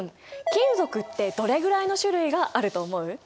金属ってどれぐらいの種類があると思う？